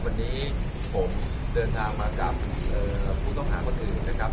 วันนี้ผมเดินทางมากับผู้ต้องหาคนอื่นนะครับ